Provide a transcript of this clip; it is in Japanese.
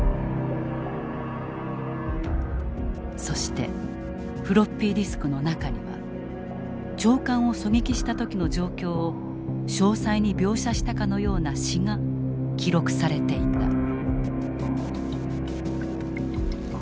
そしてフロッピーディスクの中には長官を狙撃した時の状況を詳細に描写したかのような詩が記録されていた。